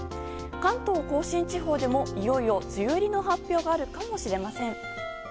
関東・甲信地方でもいよいよ、梅雨入りの発表があるかもしれません。